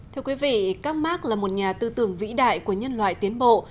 thưa quý vị các mark là một nhà tư tưởng vĩ đại của nhân loại tiến bộ